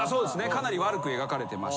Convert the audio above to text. かなり悪く描かれてまして。